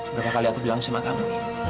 berapa kali aku bilang sama kamu